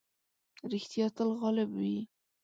رښتيا تل غالب وي.